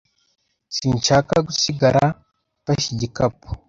Sinshaka gusigara mfashe igikapu.